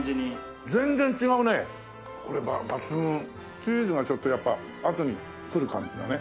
チーズがちょっとやっぱあとにくる感じだね。